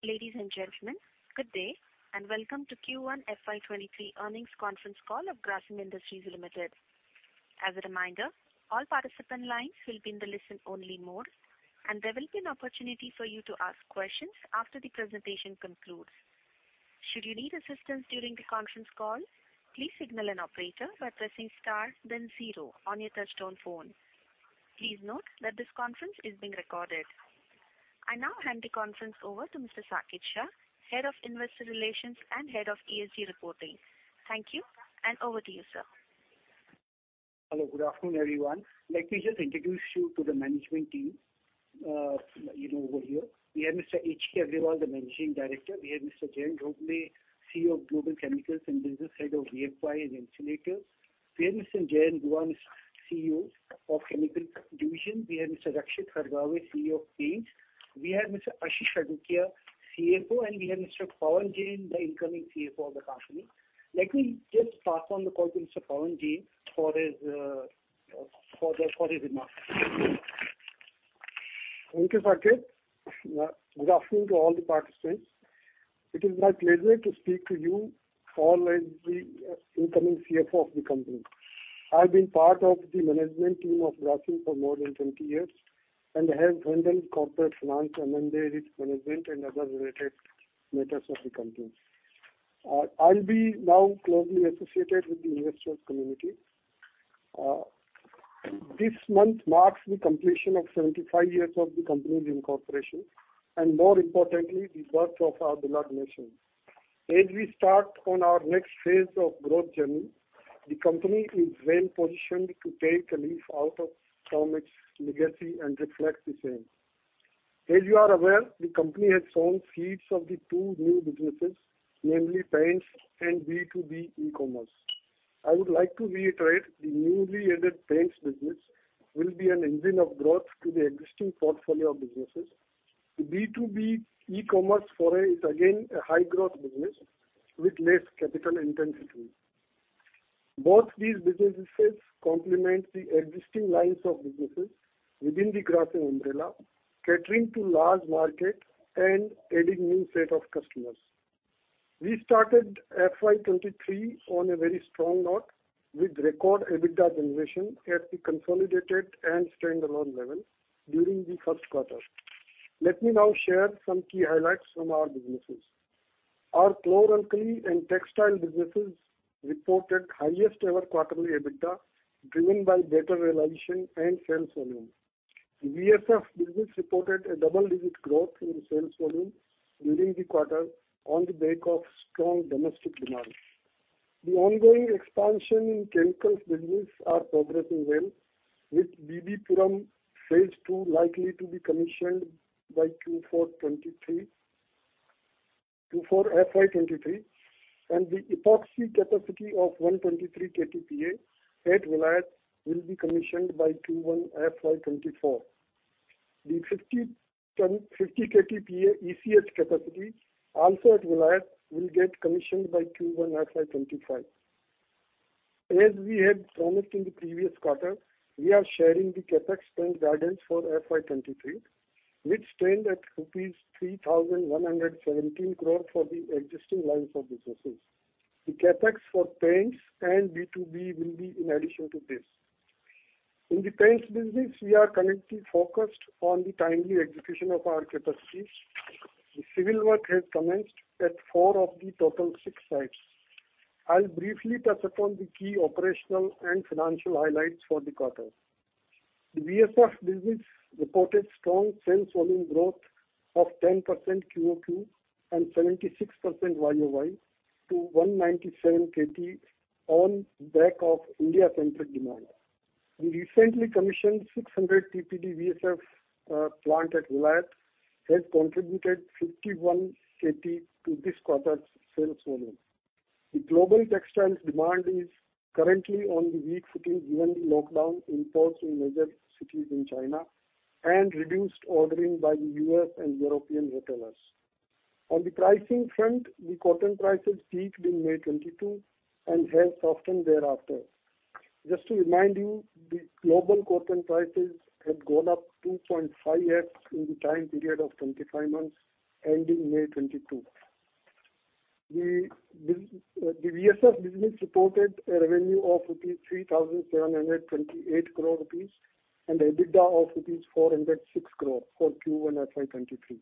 Ladies and gentlemen, good day, and welcome to Q1 FY 2023 Earnings Conference Call of Grasim Industries Limited. As a reminder, all participant lines will be in the listen-only mode, and there will be an opportunity for you to ask questions after the presentation concludes. Should you need assistance during the conference call, please signal an operator by pressing star then Zero on your touchtone phone. Please note that this conference is being recorded. I now hand the conference over to Mr. Saket Shah, Head of Investor Relations and Head of ESG Reporting. Thank you, and over to you, sir. Hello, good afternoon, everyone. Let me just introduce you to the management team, you know, over here. We have Mr. H.K. Agarwal, the Managing Director. We have Mr. Jayant Dhobley, CEO of Global Chemicals and Business, Head of VFI and Insulators. We have Mr. Jayant Dua, CEO of Chemical Division. We have Mr. Rakshit Hargave, CEO of Paints. We have Mr. Ashish Adukia, CFO, and we have Mr. Pavan Jain, the incoming CFO of the company. Let me just pass on the call to Mr. Pavan Jain for his remarks. Thank you, Saket. Good afternoon to all the participants. It is my pleasure to speak to you all as the incoming CFO of the company. I've been part of the management team of Grasim for more than 20 years and have handled corporate finance and M&A management and other related matters of the company. I'll be now closely associated with the investors community. This month marks the completion of 75 years of the company's incorporation, and more importantly, the birth of our beloved nation. As we start on our next phase of growth journey, the company is well-positioned to take a leaf out of its legacy and reflect the same. As you are aware, the company has sown seeds of the two new businesses, namely Paints and B2B eCommerce. I would like to reiterate the newly added Paints business will be an engine of growth to the existing portfolio of businesses. The B2B eCommerce foray is again a high-growth business with less capital intensity. Both these businesses complement the existing lines of businesses within the Grasim umbrella, catering to large market and adding new set of customers. We started FY 2023 on a very strong note with record EBITDA generation at the consolidated and standalone level during the first quarter. Let me now share some key highlights from our businesses. Our chlor-alkali and textile businesses reported highest ever quarterly EBITDA, driven by better realization and sales volume. The VSF business reported a double-digit growth in sales volume during the quarter on the back of strong domestic demand. The ongoing expansion in chemicals business is progressing well, with Balabhadrapuram phase two likely to be commissioned by Q4 2023, Q4 FY 2023, and the epoxy capacity of 123 KTPA at Vilayat will be commissioned by Q1 FY 2024. The 50 KTPA ECH capacity, also at Vilayat, will get commissioned by Q1 FY 2025. We had promised in the previous quarter, we are sharing the CapEx spend guidance for FY 2023, which stands at rupees 3,117 crore for the existing lines of businesses. The CapEx for Paints and B2B will be in addition to this. In the Paints business, we are currently focused on the timely execution of our capacities. The civil work has commenced at four of the total six sites. I'll briefly touch upon the key operational and financial highlights for the quarter. The VSF business reported strong sales volume growth of 10% QOQ and 76% YoY to 197 KT on back of India-centric demand. The recently commissioned 600 TPD VSF plant at Vilayat has contributed 51 KT to this quarter's sales volume. The global textiles demand is currently on the weak footing given the lockdown imposed in major cities in China and reduced ordering by the U.S. and European retailers. On the pricing front, the cotton prices peaked in May 2022 and have softened thereafter. Just to remind you, the global cotton prices had gone up 2.5x in the time period of 25 months, ending May 2022. The VSF business reported a revenue of 3,728 crore rupees and EBITDA of INR 406 crore for Q1 FY 2023.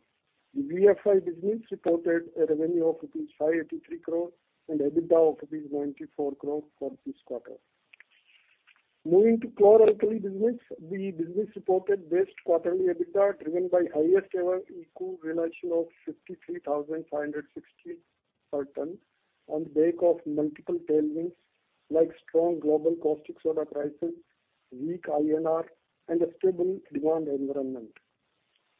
The VSF business reported a revenue of rupees 583 crore and EBITDA of rupees 94 crore for this quarter. Moving to chlor-alkali business, the business reported best quarterly EBITDA, driven by highest ever ECU realization of 53,560 per ton on the back of multiple tailwinds, like strong global caustic soda prices, weak INR, and a stable demand environment.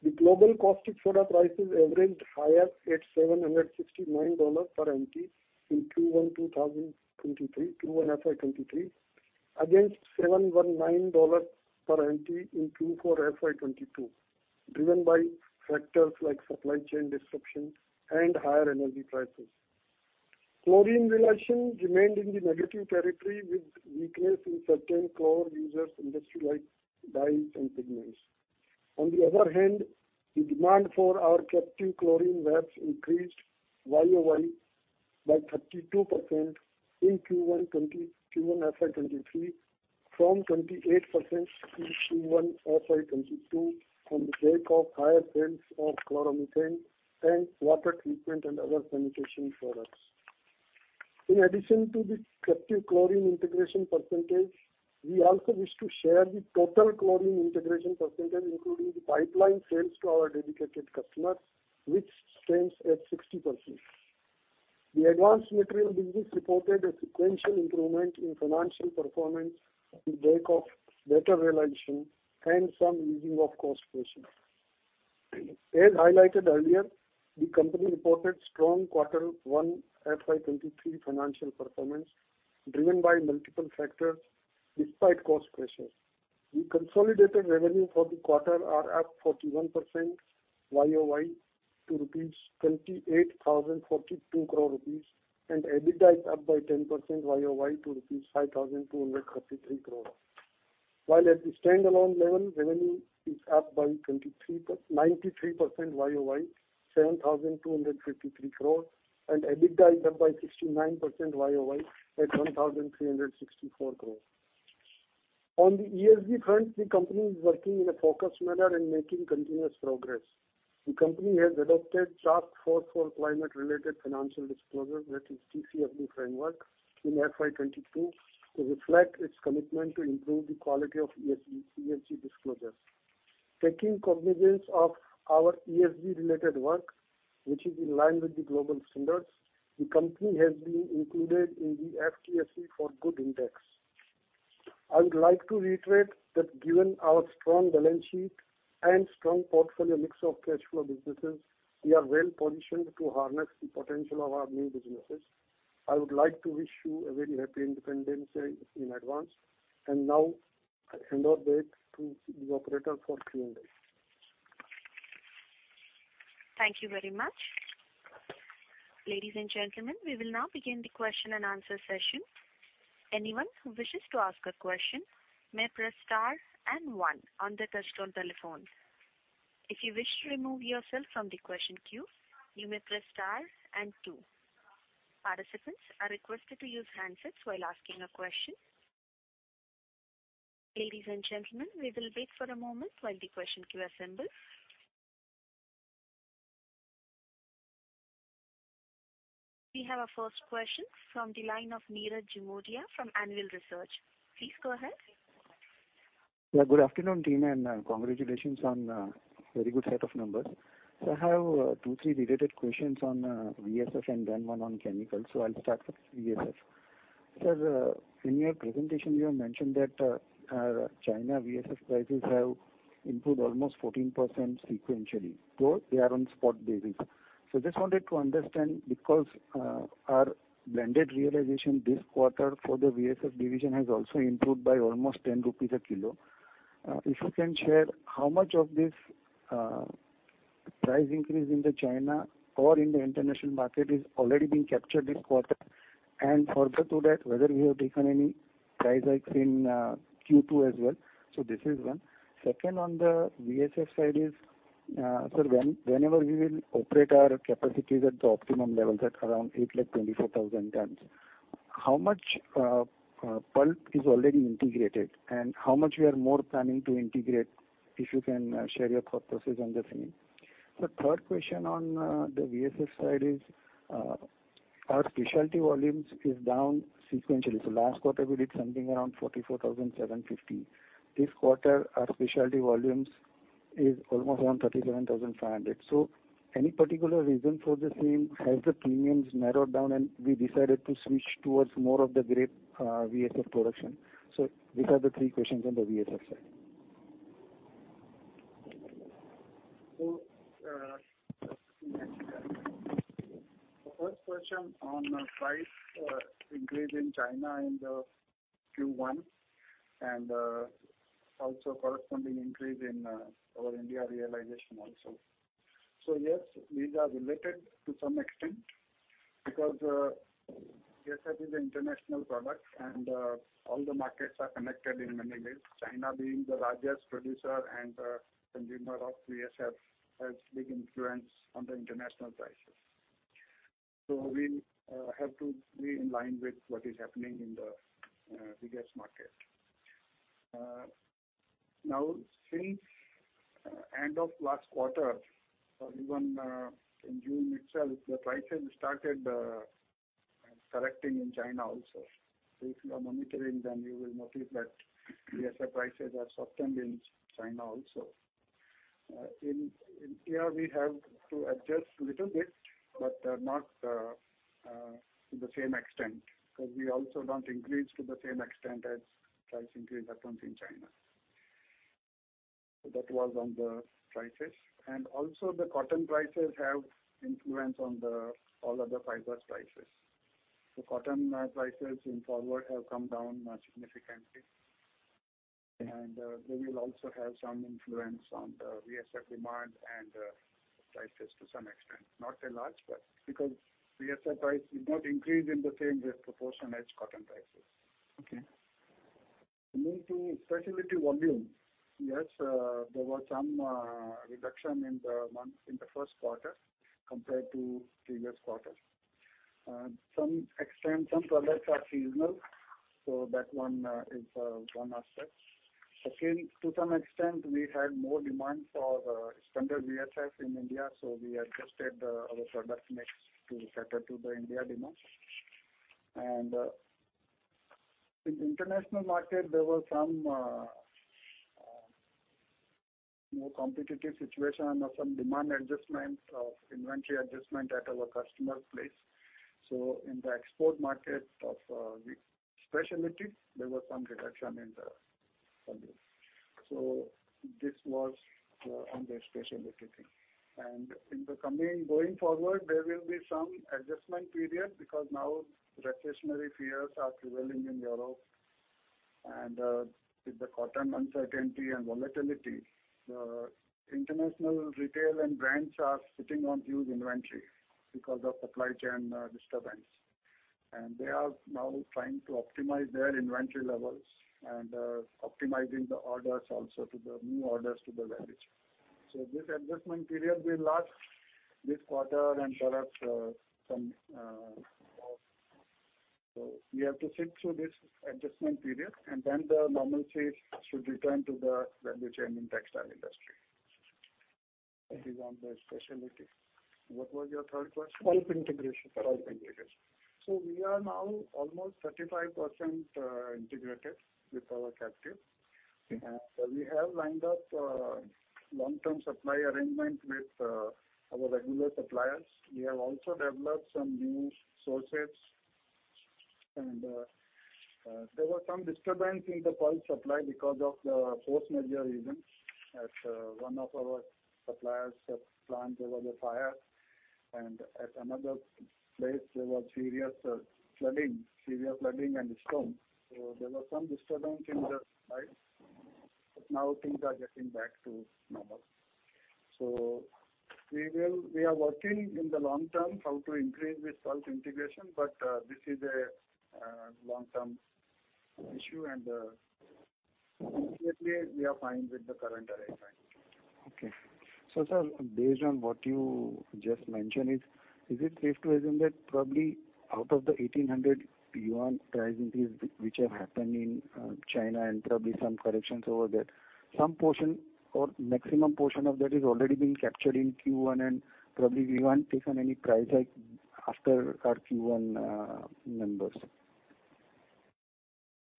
The global caustic soda prices averaged higher at $769 per MT in Q1 2023, Q1 FY 2023, against $719 per MT in Q4 FY 2022, driven by factors like supply chain disruptions and higher energy prices. Chlorine realization remained in the negative territory with weakness in certain core user industries like dyes and pigments. On the other hand, the demand for our captive chlorine VAPs increased year-over-year by 32% in Q1 FY 2023, from 28% in Q1 FY 2022 on the back of higher sales of chloromethane and water treatment and other sanitation products. In addition to the captive chlorine integration percentage, we also wish to share the total chlorine integration percentage, including the pipeline sales to our dedicated customers, which stands at 60%. The advanced material business reported a sequential improvement in financial performance on the back of better realization and some easing of cost pressures. As highlighted earlier, the company reported strong Q1 FY 2023 financial performance driven by multiple factors despite cost pressures. The consolidated revenue for the quarter are up 41% YoY to 28,042 crore rupees and EBITDA is up by 10% YoY to 5,233 crore. While at the stand-alone level, revenue is up by ninety-three percent YoY, 7,253 crore, and EBITDA is up by 69% YoY at 1,364 crore. On the ESG front, the company is working in a focused manner and making continuous progress. The company has adopted Task Force for Climate-Related Financial Disclosure, that is TCFD framework in FY 2022 to reflect its commitment to improve the quality of ESG disclosures. Taking cognizance of our ESG related work, which is in line with the global standards, the company has been included in the FTSE4Good Index. I would like to reiterate that given our strong balance sheet and strong portfolio mix of cash flow businesses, we are well-positioned to harness the potential of our new businesses. I would like to wish you a very happy Independence Day in advance. Now I hand over back to the operator for Q&A. Thank you very much. Ladies and gentlemen, we will now begin the question and answer session. Anyone who wishes to ask a question may press star and one on their touchtone telephones. If you wish to remove yourself from the question queue, you may press star and two. Participants are requested to use handsets while asking a question. Ladies and gentlemen, we will wait for a moment while the question queue assembles. We have our first question from the line of Nirav Jimudia from Anvil Research. Please go ahead. Good afternoon, team, and congratulations on very good set of numbers. I have 2-3 related questions on VSF and then one on chemicals. I'll start with VSF. Sir, in your presentation you have mentioned that China VSF prices have improved almost 14% sequentially, though they are on spot basis. Just wanted to understand because our blended realization this quarter for the VSF division has also improved by almost 10 rupees a kilo. If you can share how much of this price increase in China or in the international market is already being captured this quarter. Further to that, whether you have taken any price hikes in Q2 as well. This is one. Second on the VSF side is, sir, whenever we will operate our capacities at the optimum levels at around 824,000 tons, how much pulp is already integrated and how much we are more planning to integrate? If you can share your thought process on the same. The third question on the VSF side is our specialty volumes is down sequentially. Last quarter we did something around 44,750. This quarter our specialty volumes is almost around 37,500. Any particular reason for the same? Has the premiums narrowed down, and we decided to switch towards more of the grade VSF production? These are the three questions on the VSF side. The first question on price increase in China in the Q1 and also corresponding increase in our India realization also. Yes, these are related to some extent because VSF is international product and all the markets are connected in many ways. China being the largest producer and consumer of VSF has big influence on the international prices. We have to be in line with what is happening in the biggest market. Now since end of last quarter or even in June itself, the prices started correcting in China also. If you are monitoring, then you will notice that VSF prices are softened in China also. In here we have to adjust little bit, but not to the same extent, because we also don't increase to the same extent as price increase happens in China. That was on the prices. Also the cotton prices have influence on the all other fibers prices. Cotton prices in forward have come down significantly. They will also have some influence on the VSF demand and prices to some extent. Not a large, but because VSF price did not increase in the same rate proportion as cotton prices. Okay. Moving to specialty volume. Yes, there was some reduction in the month, in the first quarter compared to previous quarter. Some extent some products are seasonal, so that one is one aspect. Again, to some extent, we had more demand for standard VSF in India, so we adjusted our product mix to cater to the India demand. In international market, there were some more competitive situation or some demand or inventory adjustment at our customer's place. In the export market of the specialty, there was some reduction in the volume. This was on the specialty thing. Going forward, there will be some adjustment period because now recessionary fears are prevailing in Europe. With the cotton uncertainty and volatility, the international retail and brands are sitting on huge inventory because of supply chain disturbance. They are now trying to optimize their inventory levels and optimizing the orders also to the new orders to the value. This adjustment period will last this quarter and perhaps some. We have to sit through this adjustment period, and then the normalcy should return to the value chain in textile industry. This is on the specialty. What was your third question? Pulp integration. We are now almost 35% integrated with our captive. Okay. We have lined up long-term supply arrangement with our regular suppliers. We have also developed some new sources. There were some disturbance in the pulp supply because of the force majeure reasons. At one of our suppliers' plants, there was a fire, and at another place there was serious flooding, severe flooding and storm. There was some disturbance in the sites, but now things are getting back to normal. We are working in the long term how to increase this pulp integration. But, this is a, long-term issue and, immediately we are fine with the current arrangement. Okay. Sir, based on what you just mentioned, is it safe to assume that probably out of the 1800 yuan price increase which have happened in, China and probably some corrections over there, some portion or maximum portion of that is already been captured in Q1 and probably we won't take on any price hike after our Q1, numbers?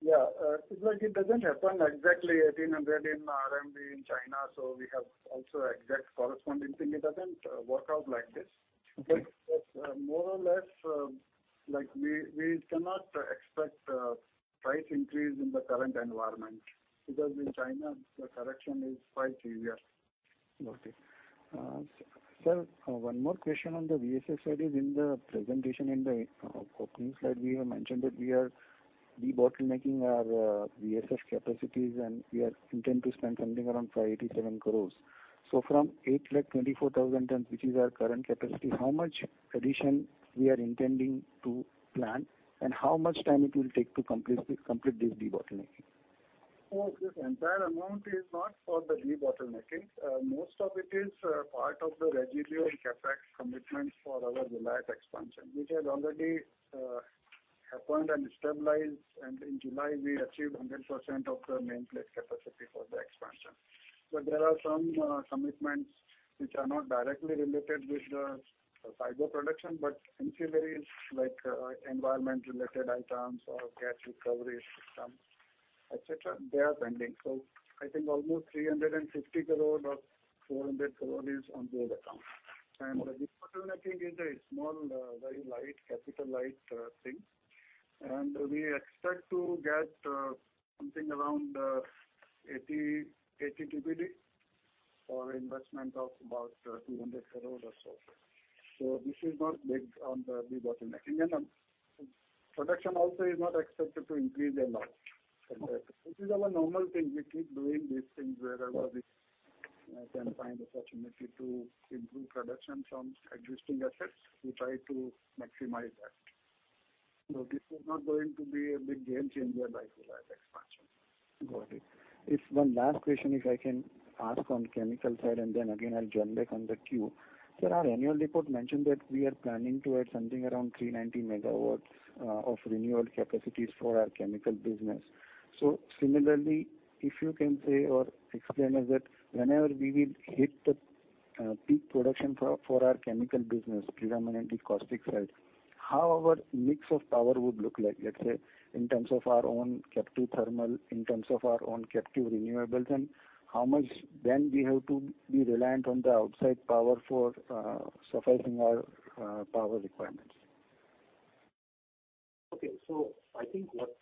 Yeah. It's like it doesn't happen exactly 1800 RMB in RMB in China, so we have also exact corresponding thing. It doesn't work out like this. Okay. More or less, like, we cannot expect price increase in the current environment because in China the correction is quite severe. Got it. Sir, one more question on the VSF side is in the presentation in the opening slide, we have mentioned that we are debottlenecking our VSF capacities, and we are intent to spend something around 587 crore. From 824,000 tons, which is our current capacity, how much addition we are intending to plan, and how much time it will take to complete this debottlenecking? This entire amount is not for the debottlenecking. Most of it is part of the regular CapEx commitments for our Vilayat expansion, which has already happened and stabilized, and in July we achieved 100% of the nameplate capacity for the expansion. There are some commitments which are not directly related with the fiber production, but ancillaries like environment related items or gas recovery system, etc. They are pending. I think almost 350 crore or 400 crore is on those accounts. The debottlenecking is a small, very light, capital light, thing. We expect to get something around 80 TPD for investment of about 200 crore or so. This is not big on the debottlenecking. Production also is not expected to increase a lot from that. This is our normal thing. We keep doing these things wherever we can find opportunity to improve production from existing assets, we try to maximize that. This is not going to be a big game changer by Vilayat expansion. Got it. If one last question, if I can ask on chemical side, and then again, I'll join back on the queue. Sir, our annual report mentioned that we are planning to add something around 390 megawatts of renewable capacities for our chemical business. Similarly, if you can say or explain to us that whenever we will hit the peak production for our chemical business, predominantly caustic side, how our mix of power would look like, let's say in terms of our own captive thermal, in terms of our own captive renewables, and how much then we have to be reliant on the outside power for to suffice our power requirements? Okay. I think what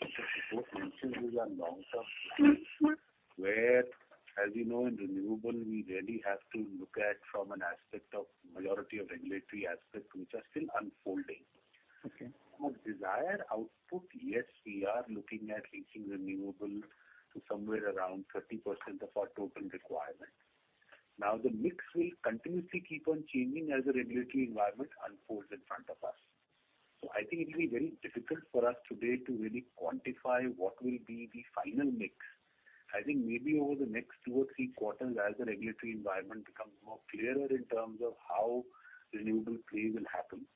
the report mentions is a long-term plan where, as you know, in renewable, we really have to look at from an aspect of majority of regulatory aspects which are still unfolding. Okay. From a desired output, yes, we are looking at reaching renewable to somewhere around 30% of our total requirement. The mix will continuously keep on changing as the regulatory environment unfolds in front of us. I think it'll be very difficult for us today to really quantify what will be the final mix. I think maybe over the next two or three quarters, as the regulatory environment becomes more clearer in terms of how renewable play will happen,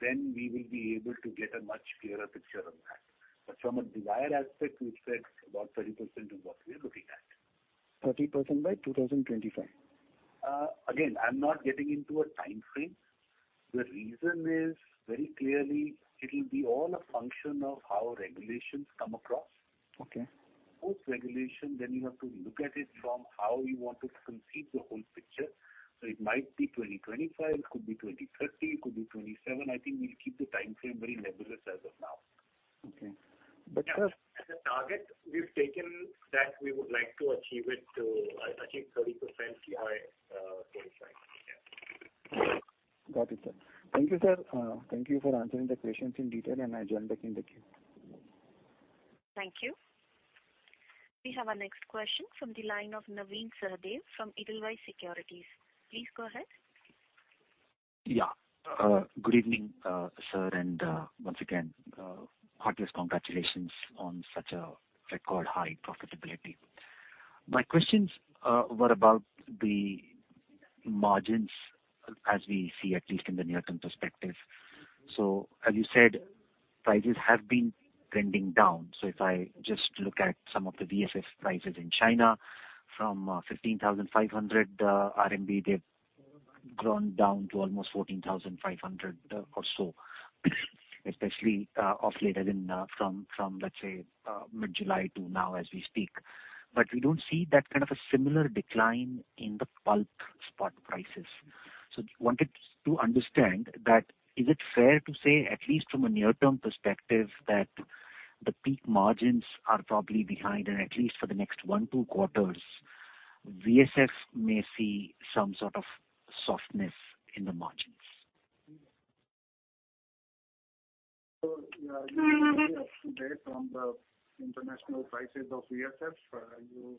then we will be able to get a much clearer picture on that. From a desire aspect, we said about 30% is what we are looking at. 30% by 2025? Again, I'm not getting into a timeframe. The reason is very clearly it'll be all a function of how regulations come across. Okay. Post-regulation, you have to look at it from how you want to conceive the whole picture. It might be 2025, it could be 2030, it could be 2027. I think we'll keep the timeframe very nebulous as of now. Okay. As a target we've taken that we would like to achieve 30% by 2025. Yeah. Got it, sir. Thank you, sir. Thank you for answering the questions in detail, and I join back in the queue. Thank you. We have our next question from the line of Navin Sahadeo from Edelweiss Securities. Please go ahead. Yeah. Good evening, sir, and once again heartiest congratulations on such a record high profitability. My questions were about the margins as we see at least in the near-term perspective. As you said, prices have been trending down. If I just look at some of the VSF prices in China from 15,500 RMB, they've gone down to almost 14,500 or so, especially of late as in from let's say mid-July to now as we speak. We don't see that kind of a similar decline in the pulp spot prices. Wanted to understand that, is it fair to say, at least from a near-term perspective, that the peak margins are probably behind and at least for the next 1-2 quarters, VSF may see some sort of softness in the margins? You are very up-to-date on the international prices of VSF. You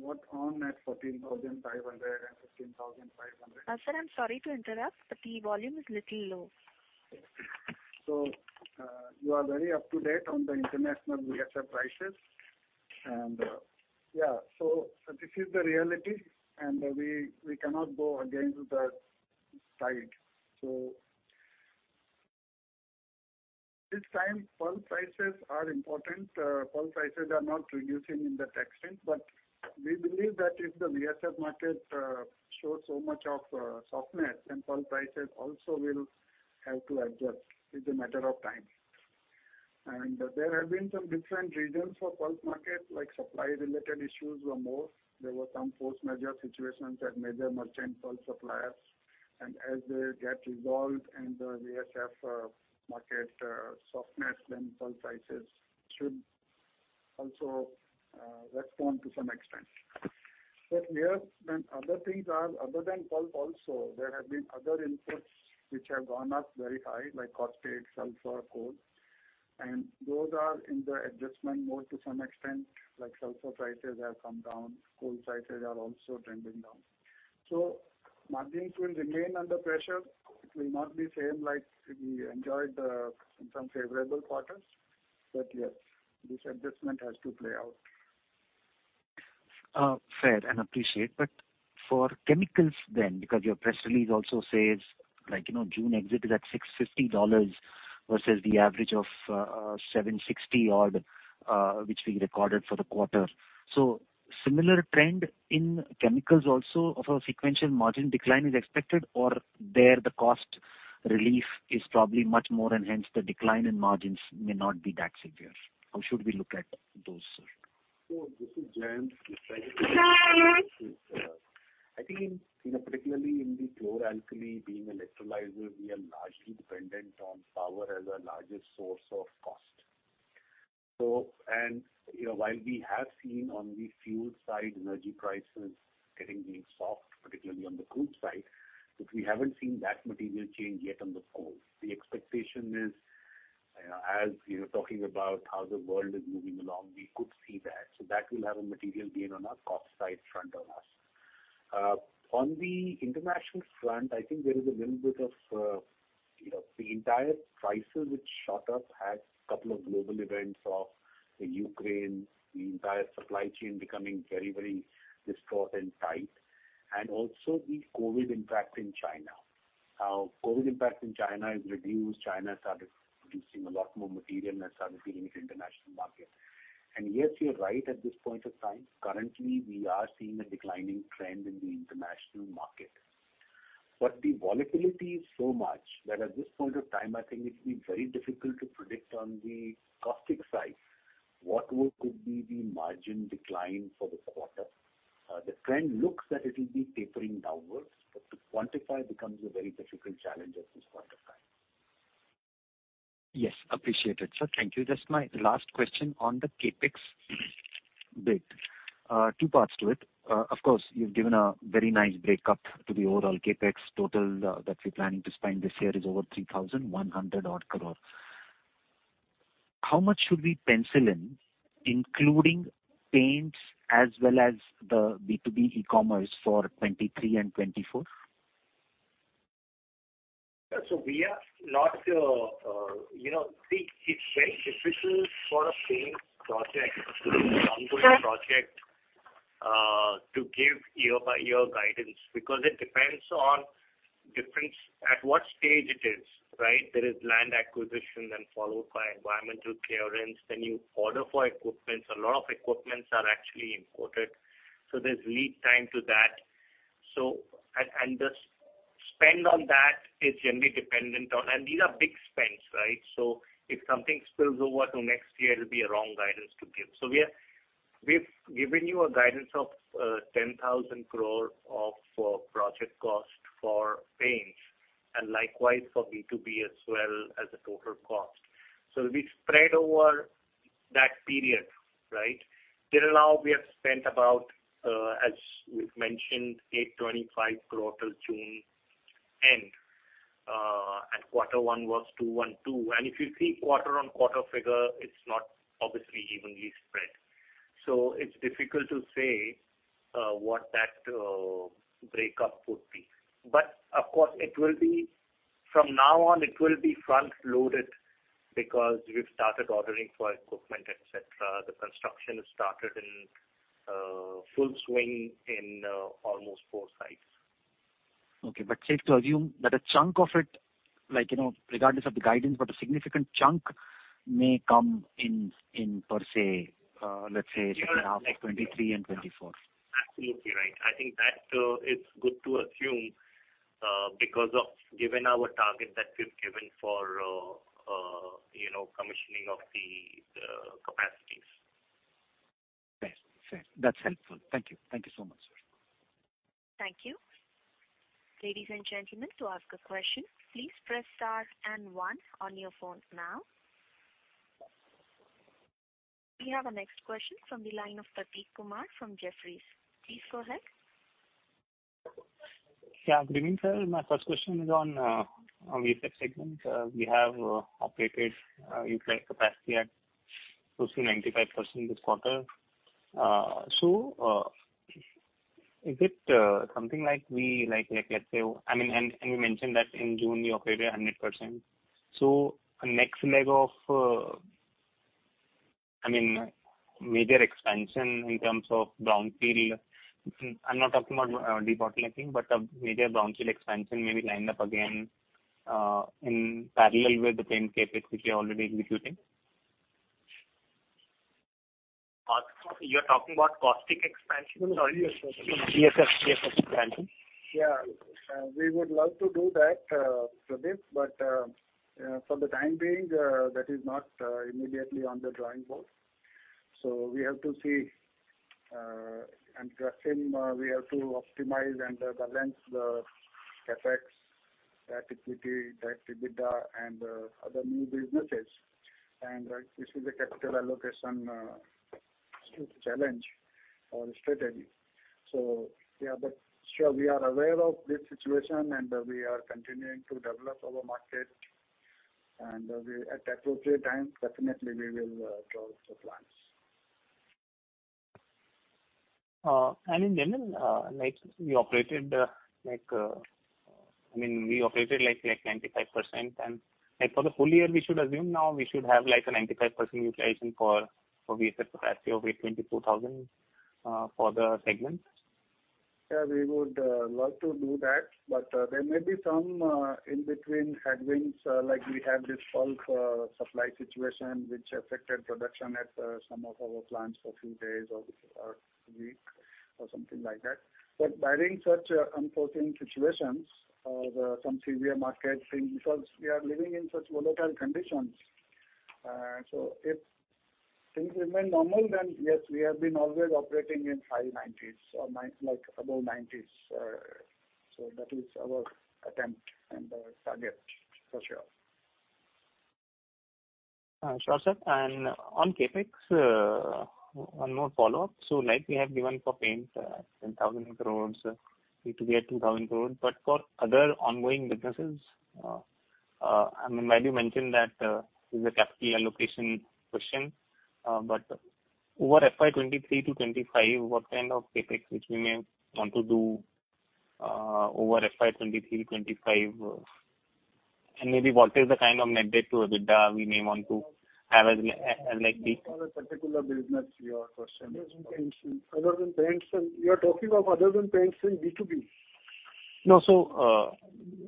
got on at $14,500 and $15,500. Sir, I'm sorry to interrupt, but the volume is little low. You are very up-to-date on the international VSF prices. This is the reality, and we cannot go against the tide. This time pulp prices are important. Pulp prices are not reducing in that extent. We believe that if the VSF market shows so much of softness, then pulp prices also will have to adjust. It's a matter of time. There have been some different reasons for pulp market, like supply related issues were more. There were some force majeure situations at major merchant pulp suppliers. As they get resolved and the VSF market softness, then pulp prices should also respond to some extent. Yes, when other things are other than pulp also there have been other inputs which have gone up very high, like caustics, sulfur, coal, and those are in the adjustment mode to some extent, like sulfur prices have come down, coal prices are also trending down. Margins will remain under pressure. It will not be same like we enjoyed in some favorable quarters. Yes, this adjustment has to play out. Fair enough, I appreciate. For chemicals then, because your press release also says like, you know, June exit is at $650 versus the average of $760 odd, which we recorded for the quarter. Similar trend in chemicals also of a sequential margin decline is expected or there the cost relief is probably much more and hence the decline in margins may not be that severe? How should we look at those, sir? This is Jayant Dua. I think, particularly in the chlor-alkali business, the electrolyzer, we are largely dependent on power as our largest source of cost. While we have seen on the fuel side energy prices getting soft, particularly on the group side, but we haven't seen that material change yet on the whole. The expectation is, as you're talking about how the world is moving along, we could see that. That will have a material gain on our cost side front on us. On the international front, I think there is a little bit of, the entire prices which shot up. Had a couple of global events of the Ukraine, the entire supply chain becoming very, very disrupted and tight. Also the COVID impact in China. How COVID impact in China is reduced. China started producing a lot more material and started filling its international market. Yes, you're right at this point of time. Currently, we are seeing a declining trend in the international market. The volatility is so much that at this point of time, I think it'll be very difficult to predict on the caustic side what could be the margin decline for this quarter. The trend looks that it'll be tapering downwards, but to quantify becomes a very difficult challenge at this point of time. Yes, appreciate it, sir. Thank you. Just my last question on the CapEx bit. Two parts to it. Of course, you've given a very nice break up to the overall CapEx total, that we're planning to spend this year is over 3,100-odd crore. How much should we pencil in, including Paints as well as the B2B e-commerce for 2023 and 2024? We are not, it's very difficult for a paint project, an ongoing project, to give year by year guidance because it depends on difference at what stage it is, right? There is land acquisition, then followed by environmental clearance, then you order for equipment. A lot of equipment is actually imported, so there's lead time to that. The spend on that is generally dependent on. These are big spends, right? We've given you a guidance of 10,000 crore of project cost for Paints and likewise for B2B as well as a total cost. It'll be spread over that period, right? Till now we have spent about, as we've mentioned, 825 crore till June end, and quarter one was 212 crore. If you see quarter-on-quarter figure, it's not obviously evenly spread. It's difficult to say what that breakup would be. Of course it will be, from now on, it will be front loaded because we've started ordering for equipment, et cetera. The construction has started in full swing in almost four sites. Okay, safe to assume that a chunk of it, like, you know, regardless of the guidance, but a significant chunk may come in per se, let's say second half of 2023 and 2024. Absolutely right. I think that is good to assume because of given our target that we've given for, you know, commissioning of the capacities. Fair. That's helpful. Thank you. Thank you so much, sir. Thank you. Ladies and gentlemen, to ask a question, please press star and one on your phone now. We have our next question from the line of Prateek Kumar from Jefferies. Please go ahead. Yeah. Good evening, sir. My first question is on VSF segment. We have operated utilized capacity at close to 95% this quarter. Is it something like we like let's say, I mean, and you mentioned that in June you operated at 100%. Next leg of, I mean, major expansion in terms of brownfield. I'm not talking about debottlenecking, but a major brownfield expansion may be lined up again in parallel with the same CapEx, which you're already executing. You're talking about caustic expansion or VSF? VSF expansion. Yeah. We would love to do that, Prateek, but for the time being, that is not immediately on the drawing board. We have to see, and the same, we have to optimize and balance the CapEx, the equity, the EBITDA and other new businesses. This is a capital allocation challenge or strategy. Yeah, but sure, we are aware of this situation and we are continuing to develop our market and we, at appropriate time, definitely we will draw the plans. In general, like, I mean, we operated like 95% and like for the full year we should assume now we should have like a 95% utilization for VSF capacity over 24,000 for the segment. Yeah, we would love to do that, but there may be some in between headwinds, like we had this pulp supply situation which affected production at some of our plants for a few days or week or something like that. Barring such unforeseen situations or some severe market thing, because we are living in such volatile conditions. If things remain normal, then yes, we have been always operating in high nineties or ninety-like above nineties. That is our attempt and our target for sure. Sure, sir. On CapEx, one more follow-up. Like we have given for Paints, 10,000 crore, E2E 2,000 crore. For other ongoing businesses, I mean, while you mentioned that this is a capital allocation question, but over FY 2023 to 2025, what kind of CapEx which we may want to do over FY 2023 to 2025? Maybe what is the kind of net debt to OIBDA we may want to have as like the- For a particular business, your question is. Other than Paints, you are talking of other than Paints in B2B. No,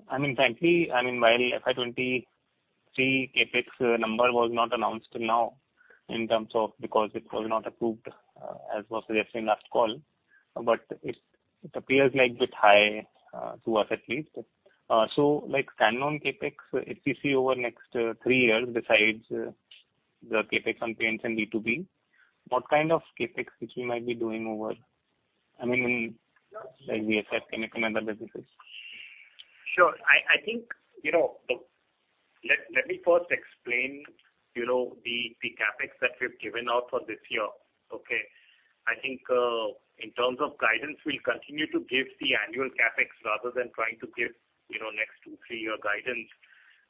I mean, frankly, while FY 2023 CapEx number was not announced till now in terms of, because it was not approved, as was discussed in last call, but it appears a bit high, to us at least. Like stand-alone CapEx, if you see over next three years, besides the CapEx on Paints and B2B, what kind of CapEx which you might be doing over, I mean, like we expect chemical and other businesses. Sure. I think, you know, let me first explain, you know, the CapEx that we've given out for this year. Okay. I think in terms of guidance, we'll continue to give the annual CapEx rather than trying to give, you know, next 2-3-year guidance.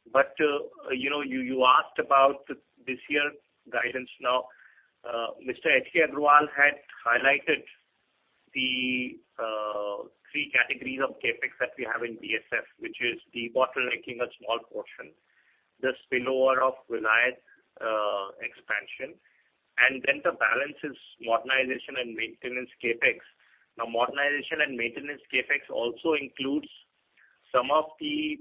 You know, you asked about this year's guidance now. Mr. H.K. Agarwal had highlighted the three categories of CapEx that we have in VSF, which is the debottlenecking, a small portion. The expansion at Rehla, and then the balance is modernization and maintenance CapEx. Now, modernization and maintenance CapEx also includes some of the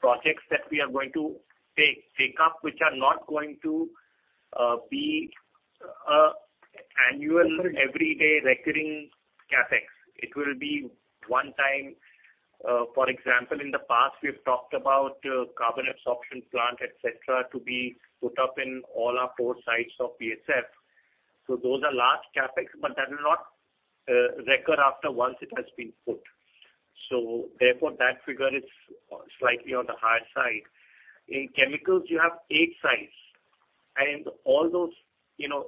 projects that we are going to take up, which are not going to be annual, every day recurring CapEx. It will be one time. For example, in the past, we've talked about carbon absorption plant, et cetera, to be put up in all our four sites of VSF. Those are large CapEx, but that will not recur after once it has been put. Therefore, that figure is slightly on the higher side. In chemicals, you have eight sites, and all those, you know,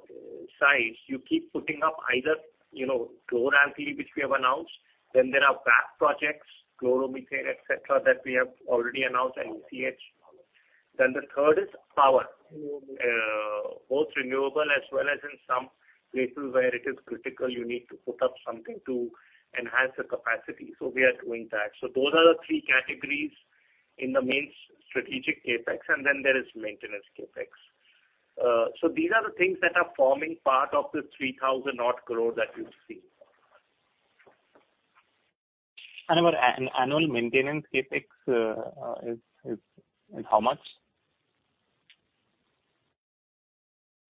sites you keep putting up either, you know, chlor-alkali, which we have announced, then there are VAP projects, chloromethane, et cetera, that we have already announced at each. The third is power. Both renewable as well as in some places where it is critical, you need to put up something to enhance the capacity. We are doing that. Those are the three categories in the main strategic CapEx, and then there is maintenance CapEx. These are the things that are forming part of the 3,000-odd crore that you've seen. Our annual maintenance CapEx is how much?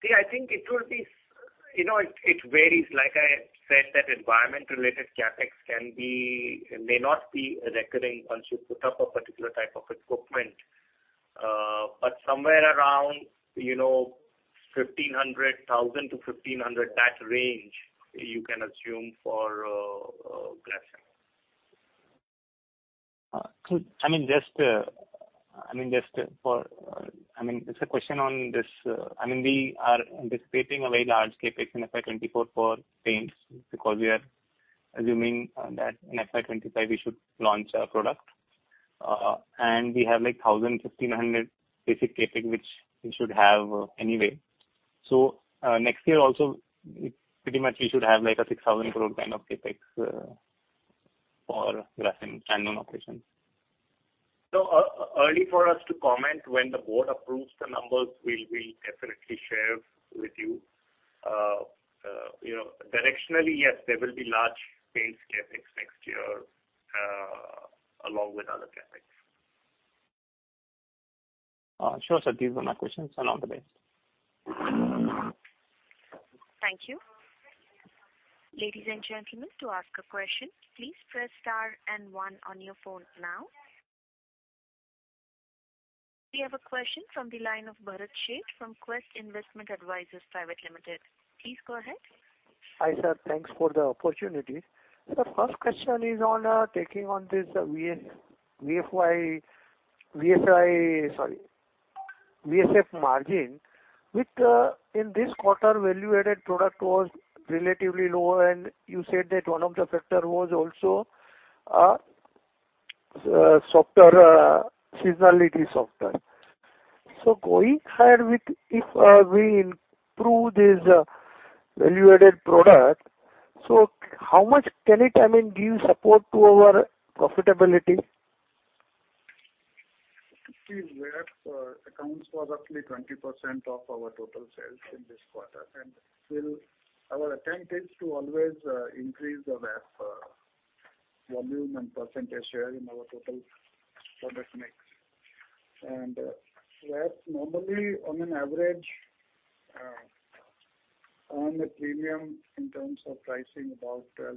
See, I think it will be. You know, it varies. Like I said, that environment related CapEx can be. It may not be a recurring once you put up a particular type of equipment. But somewhere around, you know, 1,500 thousand to 1,500, that range you can assume for Grasim. I mean, just for, it's a question on this. We are anticipating a very large CapEx in FY 2024 for paints because we are assuming that in FY 2025 we should launch a product. We have like 1,000-1,500 basic CapEx, which we should have anyway. Next year also, it pretty much we should have like a 6,000 crore kind of CapEx for Grasim and known operations. Early for us to comment. When the board approves the numbers, we'll definitely share with you. You know, directionally, yes, there will be large paints CapEx next year, along with other CapEx. Sure, sir. These are my questions. All the best. Thank you. Ladies and gentlemen, to ask a question, please press star and one on your phone now. We have a question from the line of Bharat Sheth from Quest Investment Advisors Private Limited. Please go ahead. Hi, sir. Thanks for the opportunity. The first question is on taking on this VSF margin, which in this quarter, value-added product was relatively lower, and you said that one of the factor was also softer seasonality. Going ahead, if we improve this value-added product, how much can it, I mean, give support to our profitability? See, VAP accounts for roughly 20% of our total sales in this quarter. Still our attempt is to always increase the VAP volume and percentage share in our total product mix. VAP normally on an average earn a premium in terms of pricing about 12%-15%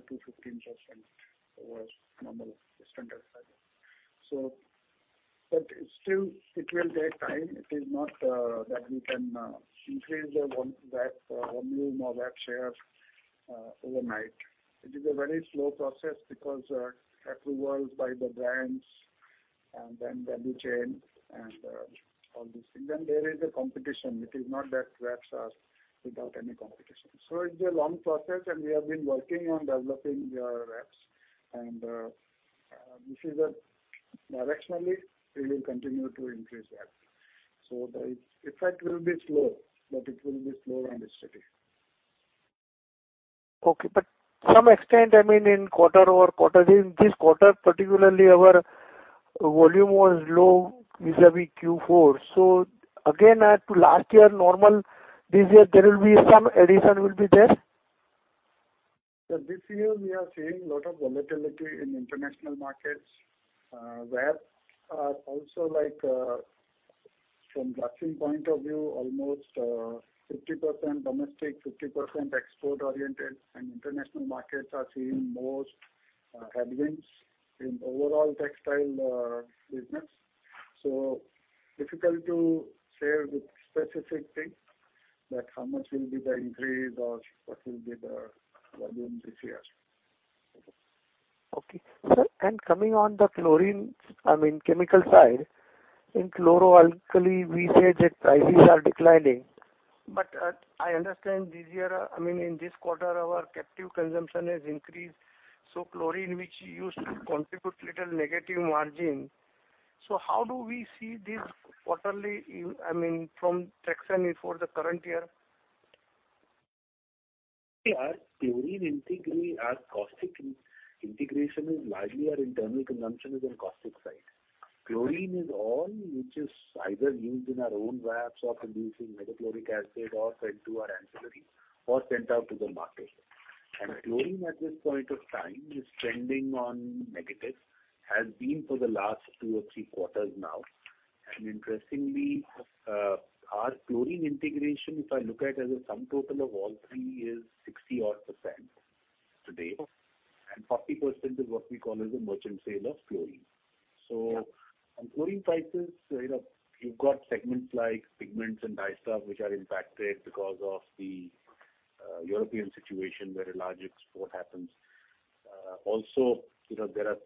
over normal standard fiber. But still it will take time. It is not that we can increase the VAP volume or VAP share overnight. It is a very slow process because approvals by the brands and then value chain and all these things. There is a competition. It is not that VAPs are without any competition. It's a long process and we have been working on developing our VAPs. This is a directionally we will continue to increase VAPs. The effect will be slow, but it will be slow and steady. Okay. To some extent, I mean, in quarter-over-quarter, in this quarter particularly our volume was low vis-à-vis Q4. Again as to last year normal, this year there will be some addition will be there? This year we are seeing a lot of volatility in international markets. VAPs are also like, from Grasim point of view, almost, 50% domestic, 50% export oriented and international markets are seeing more, headwinds in overall textile, business. Difficult to share the specific thing that how much will be the increase or what will be the volume this year. Okay. Sir, and coming on the chlorine, I mean, chemical side, in chlor-alkali we say that prices are declining. I understand this year, I mean, in this quarter our captive consumption has increased, so chlorine which used to contribute little negative margin. How do we see this quarterly, you know, I mean, from traction for the current year? Our caustic integration is largely our internal consumption is on caustic side. Chlorine is all which is either used in our own derivatives or producing hydrochloric acid or sent to our ancillary or sent out to the market. Chlorine at this point of time is trending on negative, has been for the last two or three quarters now. Interestingly, our chlorine integration, if I look at as a sum total of all three, is 60-odd% today, and 40% is what we call as a merchant sale of chlorine. On chlorine prices, you know, you've got segments like pigments and dyestuff which are impacted because of the European situation where a large export happens. Also, you know, there are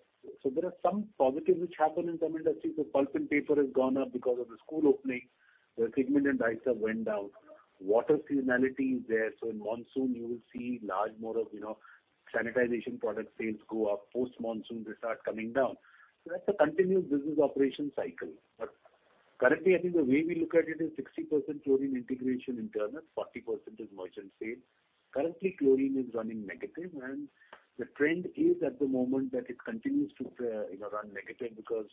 some positives which happen in some industries. The pulp and paper has gone up because of the school opening. The pigment and dyestuff went down. Water seasonality is there. In monsoon you will see large more of, you know, sanitization product sales go up. Post-monsoon they start coming down. That's a continuous business operation cycle. Currently, I think the way we look at it is 60% chlorine integration internal, 40% is merchant sale. Currently, chlorine is running negative. The trend is at the moment that it continues to run negative because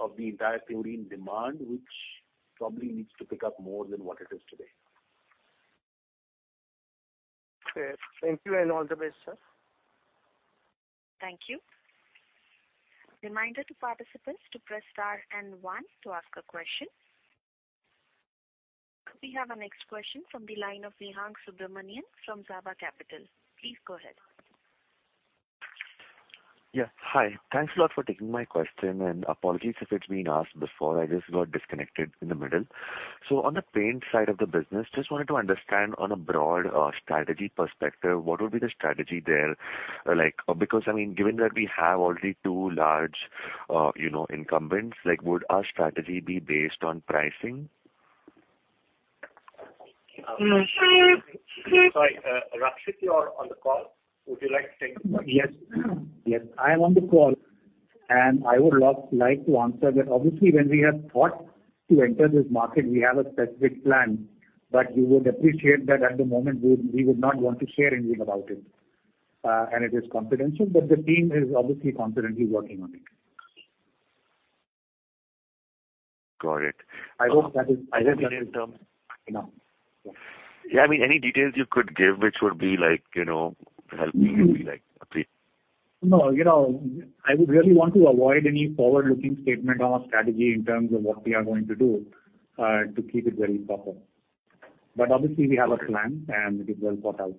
of the entire chlorine demand, which probably needs to pick up more than what it is today. Okay. Thank you and all the best, sir. Thank you. Reminder to participants to press star and one to ask a question. We have our next question from the line of Vihang Subramanian from Java Capital. Please go ahead. Yeah. Hi. Thanks a lot for taking my question. Apologies if it's been asked before. I just got disconnected in the middle. On the paint side of the business, just wanted to understand on a broad strategy perspective, what would be the strategy there? Like, because I mean, given that we have already two large, you know, incumbents, like, would our strategy be based on pricing? Sorry, Rakshit, you're on the call. Would you like to take the question? Yes, I'm on the call, and I would like to answer that. Obviously, when we have thought to enter this market, we have a specific plan. You would appreciate that at the moment we would not want to share anything about it. It is confidential, but the team is obviously confidently working on it. Got it. I hope that is. I think in terms. Enough. Yeah. Yeah. I mean, any details you could give which would be like, you know, helping will be like appreciated. No. You know, I would really want to avoid any forward-looking statement on our strategy in terms of what we are going to do, to keep it very proper. Obviously we have a plan, and it will work out.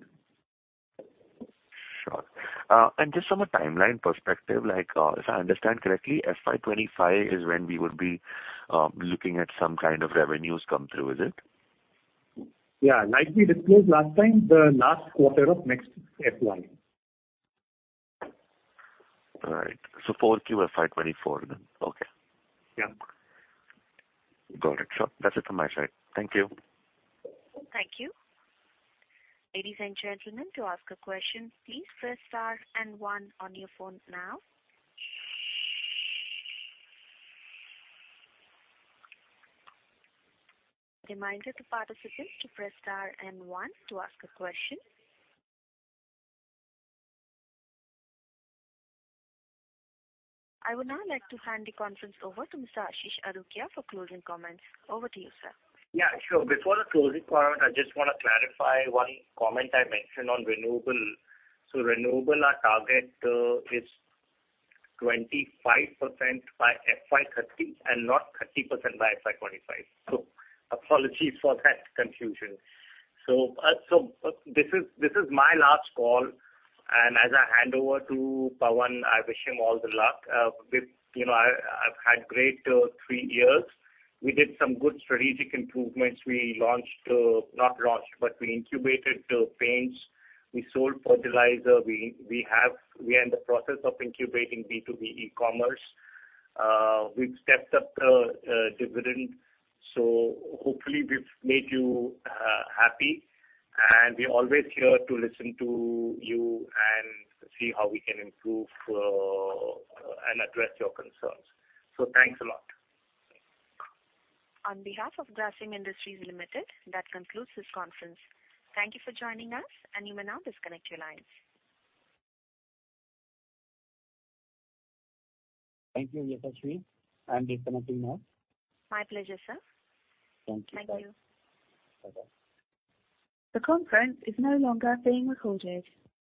Sure. Just from a timeline perspective, like, if I understand correctly, FY 2025 is when we would be looking at some kind of revenues come through. Is it? Yeah. Like we disclosed last time, the last quarter of next FY. All right. Full FY 2024 then. Okay. Yeah. Got it. Sure. That's it from my side. Thank you. Thank you. Ladies and gentlemen, to ask a question, please press star and one on your phone now. Reminder to participants to press star and one to ask a question. I would now like to hand the conference over to Mr. Ashish Adukia for closing comments. Over to you, sir. Yeah, sure. Before the closing comment, I just wanna clarify one comment I mentioned on renewable. Renewable, our target, is 25% by FY 2030 and not 30% by FY 2025. Apologies for that confusion. This is my last call, and as I hand over to Pawan, I wish him all the luck. I've had great 3 years. We did some good strategic improvements. We incubated paints. We sold fertilizer. We are in the process of incubating B2B e-commerce. We've stepped up the dividend. Hopefully we've made you happy. We're always here to listen to you and see how we can improve and address your concerns. Thanks a lot. On behalf of Grasim Industries Limited, that concludes this conference. Thank you for joining us, and you may now disconnect your lines. Thank you, Yashaswi. I'm disconnecting now. My pleasure, sir. Thank you. Thank you. Bye-bye. The conference is no longer being recorded.